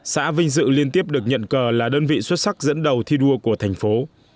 xã vinh dự liên tiếp được nhận cờ là đơn vị xuất sắc dẫn đầu thi đua của thành phố